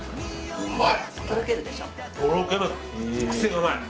うまい！